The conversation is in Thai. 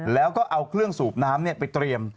แล้วก็เอาเครื่องสูบน้ำไปเตรียม